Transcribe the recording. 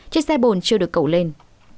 chiếc xe bồn chưa được cầu lên